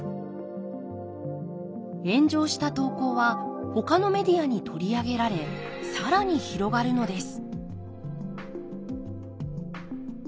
炎上した投稿はほかのメディアに取り上げられ更に広がるのです。